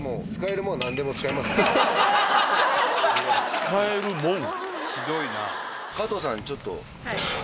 「使えるもん」